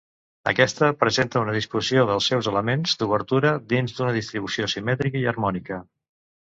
Aquesta presenta una disposició dels seus elements d'obertura dins d'una distribució simètrica i harmònica.